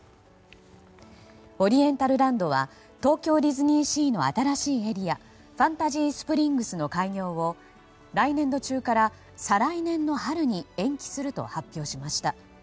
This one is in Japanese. オリエンタルランドは東京ディズニーシーの新しいエリアファンタジースプリングスの開業を来年度中から再来年の春に延期すると発表しました。